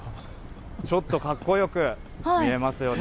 ちょっとかっこよく見えますよね。